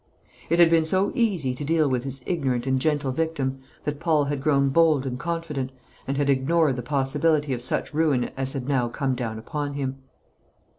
It had been so easy to deal with this ignorant and gentle victim that Paul had grown bold and confident, and had ignored the possibility of such ruin as had now come down upon him.